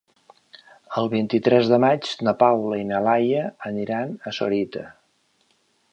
El vint-i-tres de maig na Paula i na Laia aniran a Sorita.